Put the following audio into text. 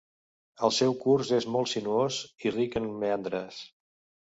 El seu curs és molt sinuós i ric en meandres.